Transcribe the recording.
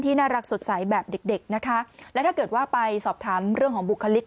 น่ารักสดใสแบบเด็กเด็กนะคะและถ้าเกิดว่าไปสอบถามเรื่องของบุคลิก